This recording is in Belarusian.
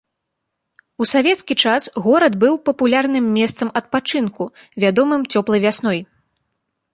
У савецкі час горад быў папулярным месцам адпачынку, вядомым цёплай вясной.